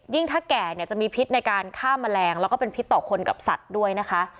ถ้าแก่เนี่ยจะมีพิษในการฆ่าแมลงแล้วก็เป็นพิษต่อคนกับสัตว์ด้วยนะคะ